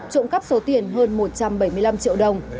trộm cắp số tiền hơn một trăm bảy mươi năm triệu đồng